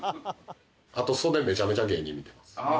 あと袖めちゃめちゃ芸人見てます。